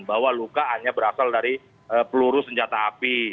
bahwa luka hanya berasal dari peluru senjata api